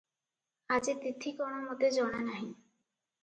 ଆଜି ତିଥି କଣ ମୋତେ ଜଣାନାହିଁ ।